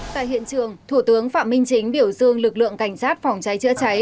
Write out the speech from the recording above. tại hiện trường thủ tướng phạm minh chính biểu dương lực lượng cảnh sát phòng cháy chữa cháy